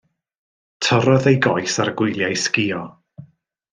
Torrodd ei goes ar y gwyliau sgïo.